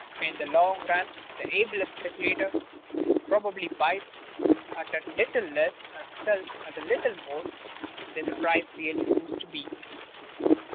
In the long run the ablest speculator probably buys at a little less and sells at a little more than the price really proves to be.